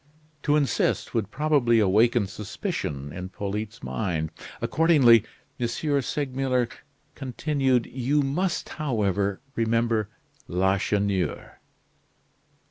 To insist would probably awaken suspicion in Polyte's mind; accordingly, M. Segmuller continued: "You must, however, remember Lacheneur?"